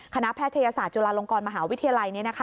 แพทยศาสตร์จุฬาลงกรมหาวิทยาลัย